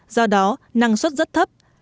do đó năng suất rất thấp